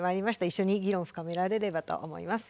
一緒に議論深められればと思います。